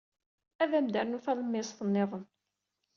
Ad am-d-ternu talemmiẓt niḍen.